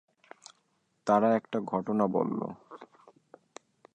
তারা একটা ঘটনা বলল।